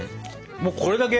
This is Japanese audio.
もうこれだけ？